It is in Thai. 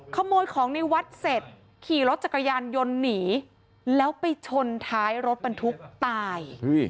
ขโมยของในวัดเสร็จขี่รถจักรยานยนต์หนีแล้วไปชนท้ายรถบรรทุกตาย